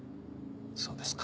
そうですか。